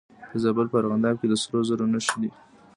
د زابل په ارغنداب کې د سرو زرو نښې شته.